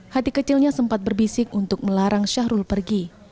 hati kecilnya sempat berbisik untuk melarang syahrul pergi